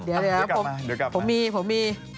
เดี๋ยวผมมี